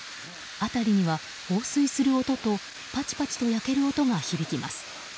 辺りには、放水する音とパチパチと焼ける音が響きます。